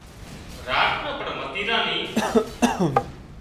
راچ نان پڻ متيران ني